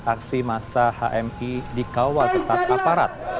aksi masa hmi dikawal ketat aparat